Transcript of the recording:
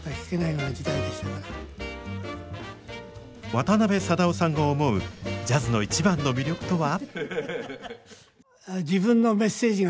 渡辺貞夫さんが思うジャズの一番の魅力とは？